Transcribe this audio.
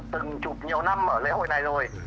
từng chụp nhiều năm ở lễ hội này rồi